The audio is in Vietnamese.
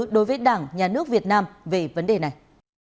đối với đảng nhà nước việt nam về vấn đề này